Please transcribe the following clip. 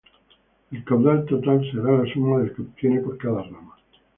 El caudal total será la suma del que se obtiene por cada rama.